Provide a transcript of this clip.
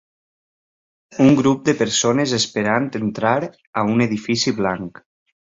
Un grup de persones esperant entrar a un edifici blanc.